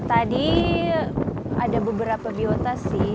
tadi ada beberapa biota sih